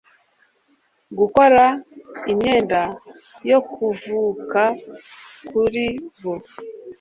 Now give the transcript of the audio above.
Gukora imyenda yo kuvuka kuri bo